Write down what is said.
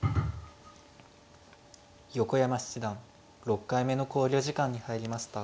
横山七段６回目の考慮時間に入りました。